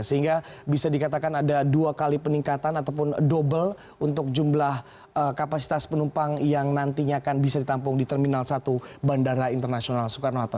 sehingga bisa dikatakan ada dua kali peningkatan ataupun double untuk jumlah kapasitas penumpang yang nantinya akan bisa ditampung di terminal satu bandara internasional soekarno hatta